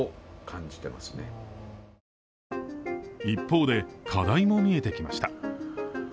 一方で課題も見えてきました。